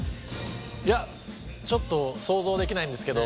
いやちょっと想像できないんですけど。